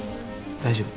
大丈夫。